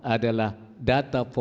adalah data pendidikan